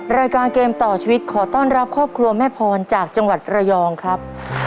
รายการเกมต่อชีวิตขอต้อนรับครอบครัวแม่พรจากจังหวัดระยองครับ